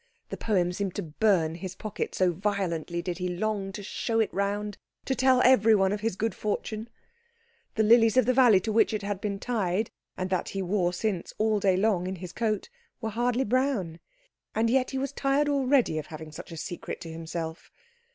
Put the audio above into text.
The poem seemed to burn his pocket, so violently did he long to show it round, to tell everyone of his good fortune. The lilies of the valley to which it had been tied and that he wore since all day long in his coat, were hardly brown, and yet he was tired already of having such a secret to himself.